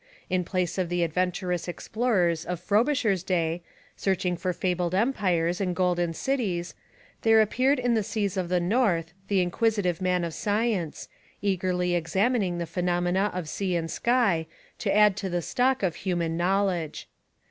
In place of the adventurous explorers of Frobisher's day, searching for fabled empires and golden cities, there appeared in the seas of the north the inquisitive man of science, eagerly examining the phenomena of sea and sky, to add to the stock of human knowledge.